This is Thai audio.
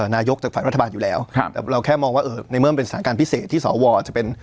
นายกจากฝ่ายรัฐบาลอยู่แล้วเราแค่มองว่าในเมืองเป็นสถานการณ์พิเศษที่สวจะเป็น